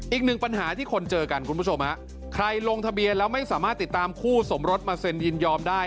อีกหนึ่งปัญหาที่คนเจอกันคุณผู้ชมฮะใครลงทะเบียนแล้วไม่สามารถติดตามคู่สมรสมาเซ็นยินยอมได้